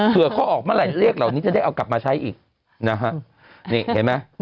เผื่อเขาออกเมื่อไหร่เลขเหล่านี้จะได้เอากลับมาใช้อีกนะฮะนี่เห็นไหม